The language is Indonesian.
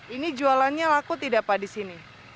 ini jualannya laku tidak pak di sini